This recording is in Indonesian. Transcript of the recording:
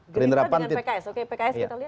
gerindra dengan pks oke pks kita lihat